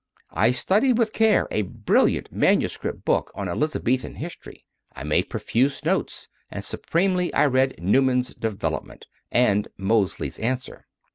I studied with care a brilliant MS. book on Elizabethan history; I made profuse notes; and, supremely, I read Newman s "Development" and Mozley s answer.